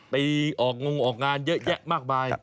ไปออกงงออกงานเยอะแยะมากมาย